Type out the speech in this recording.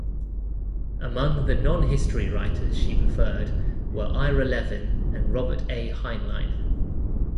Among the non-history writers she preferred were Ira Levin and Robert A. Heinlein.